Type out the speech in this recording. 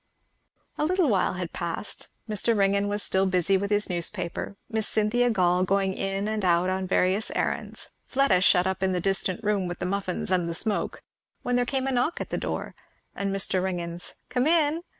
A little while had passed, Mr. Ringgan was still busy with his newspaper, Miss Cynthia Gall going in and out on various errands, Fleda shut up in the distant room with the muffins and the smoke; when there came a knock at the door, and Mr. Ringgan's "Come in!"